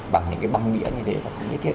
bằng những cái băng địa như thế là không nhất thiết